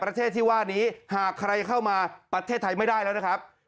ประเทศที่ว่านี้หากใครเข้ามาประเทศไทยไม่ได้แล้วนะครับ